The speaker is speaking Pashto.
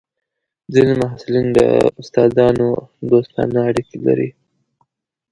ځینې محصلین له استادانو دوستانه اړیکې لري.